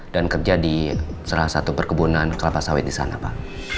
dan kerja di salah satu perkebunan kelapa sawit di sana pak